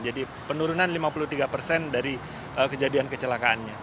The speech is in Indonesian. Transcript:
jadi penurunan lima puluh tiga persen dari kejadian kecelakaannya